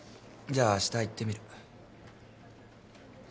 じゃああした行ってみる。